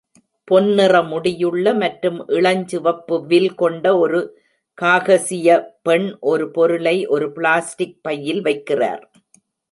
பொன்னிற முடியுள்ள மற்றும் இளஞ்சிவப்பு வில் கொண்ட ஒரு காகசிய பெண் ஒரு பொருளை ஒரு பிளாஸ்டிக் பையில் வைக்கிறார்.